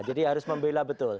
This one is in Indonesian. jadi harus membela betul